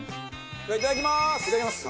いただきます！